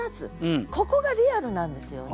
ここがリアルなんですよね。